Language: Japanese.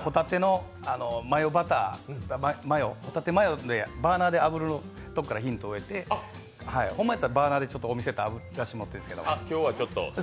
ほたてマヨでバーナーであぶるところからヒントを得て、ほんまやったら、お店やったらやらしてもろうてるんですけど。